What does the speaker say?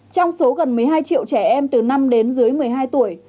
trong số gần một mươi hai triệu trẻ em từ năm đến dưới một mươi hai tuổi